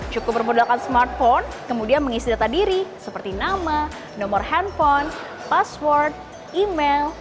cukup bermodalkan smartphone kemudian mengisi data diri seperti nama nomor handphone password email